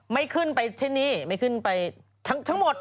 ไม่ขึ้นไปที่นี่ไม่ขึ้นไปทั้งหมด